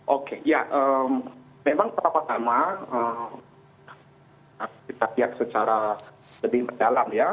oke ya memang pertama tama harus kita lihat secara lebih mendalam ya